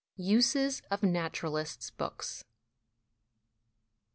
Uses of 'Naturalists" Books.